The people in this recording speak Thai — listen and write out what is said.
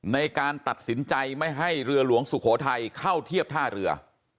ในการตัดสินใจไม่ให้เรือหลวงสุโขทัยเข้าเทียบท่าเรือ